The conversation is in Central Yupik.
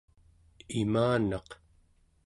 imanaq